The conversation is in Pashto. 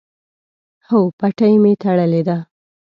هو، پټۍ می تړلې ده